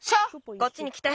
こっちにきて！